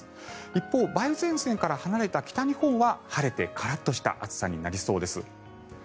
一方、梅雨前線から離れた北日本は晴れて、カラッとした暑さになりそうです。